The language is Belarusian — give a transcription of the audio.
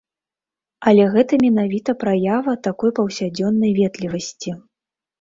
Але гэта менавіта праява такой паўсядзённай ветлівасці.